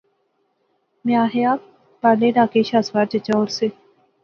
میں آخیا، پارلے ٹہا کے شاہ سوار چچا اور سے